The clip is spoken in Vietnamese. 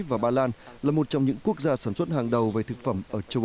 và ba lan là một trong những quốc gia sản xuất hàng đầu về thực phẩm